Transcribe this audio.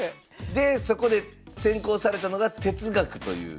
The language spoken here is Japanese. でそこで専攻されたのが哲学という。